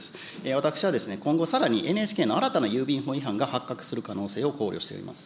私は今後さらにＮＨＫの新たな郵便法違反が発覚する可能性を考慮しています。